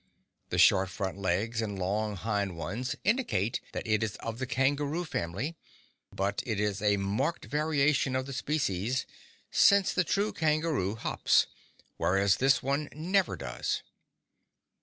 The short front legs and long hind ones indicate that it is of the kangaroo family, but it is a marked variation of the species, since the true kangaroo hops, whereas this one never does.